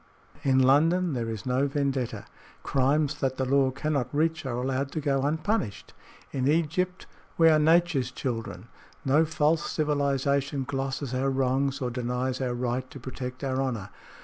"In London there is no vendetta. Crimes that the law cannot reach are allowed to go unpunished. In Egypt we are Nature's children. No false civilization glosses our wrongs or denies our right to protect our honor.